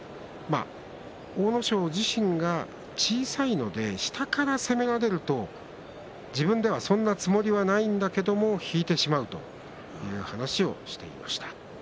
阿武咲自身が小さいので下から攻めてこられると自分では、そんなつもりはないんだけれども引いてしまうとそんな話をしていました。